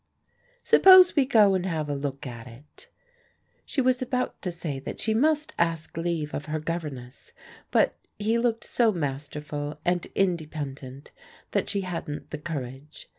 "Suppose we go and have a look at it?" She was about to say that she must ask leave of her governess, but he looked so masterful and independent that she hadn't the courage.